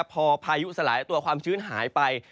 พอพายุสลายตัวความชื้นหายไป